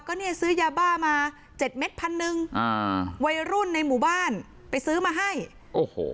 ก็เนี่ยซื้อยาบ้ามาเจ็ดเม็ดพันหนึ่งอ่าวัยรุ่นในหมู่บ้านไปซื้อมาให้โอ้โห